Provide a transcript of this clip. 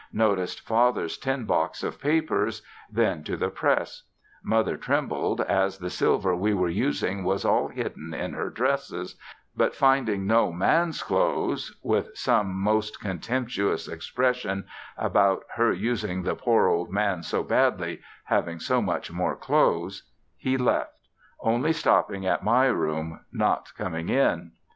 Noticed Father's tin box of papers; then to the press; Mother trembled, as the silver we were using was all hidden in her dresses, but finding no man's clothes, with some most contemptuous expression about "her using the poor old man so badly, having so much more clothes," he left, only stopping at my room door, not coming in.